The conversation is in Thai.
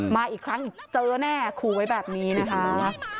มาอีกครั้งเจอแน่ขู่ไว้แบบนี้นะคะ